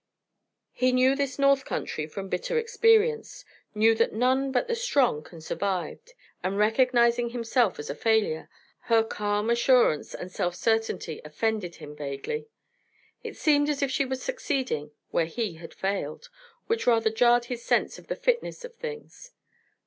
He knew this north country from bitter experience, knew that none but the strong can survive, and recognizing himself as a failure, her calm assurance and self certainty offended him vaguely. It seemed as if she were succeeding where he had failed, which rather jarred his sense of the fitness of things.